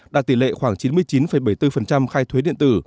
đạt tỷ lệ khoảng chín mươi chín bảy mươi bốn khai thuế điện tử